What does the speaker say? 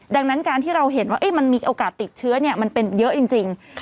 ดังนั้นการที่เราเห็นว่ามันมีโอกาสติดเชื้อมันเป็นเยอะจริง